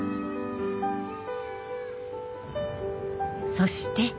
そして。